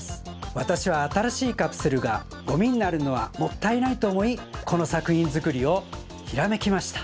わたしはあたらしいカプセルがゴミになるのはもったいないとおもいこのさくひんづくりをひらめきました。